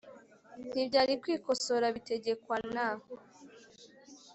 ntibyari kwikosora bitegekwa na